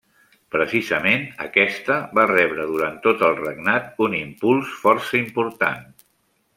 Precisament, aquesta va rebre durant tot el regnat un impuls força important.